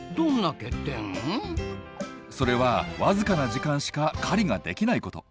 それは僅かな時間しか狩りができないこと。